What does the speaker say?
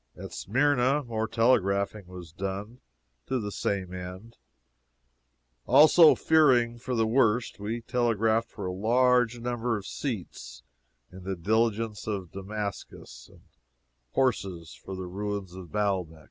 At Smyrna, more telegraphing was done, to the same end. Also fearing for the worst, we telegraphed for a large number of seats in the diligence for Damascus, and horses for the ruins of Baalbec.